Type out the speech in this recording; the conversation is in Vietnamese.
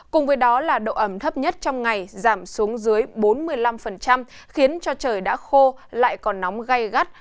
cùng với đó là độ ẩm thấp nhất trong ngày giảm xuống dưới bốn mươi năm khiến cho trời đã khô lại còn nóng gai gắt